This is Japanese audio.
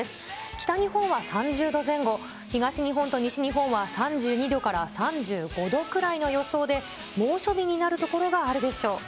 北日本は３０度前後、東日本と西日本は３２度から３５度くらいの予想で、猛暑日になる所があるでしょう。